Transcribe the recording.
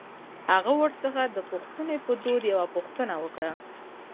هغه ورڅخه د پوښتنې په دود يوه پوښتنه وکړه.